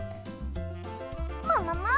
ももも！